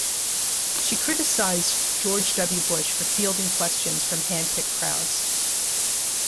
She criticized George W. Bush for fielding questions from hand-picked crowds.